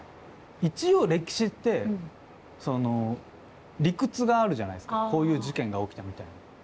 一応歴史って理屈があるじゃないすかこういう事件が起きたみたいな。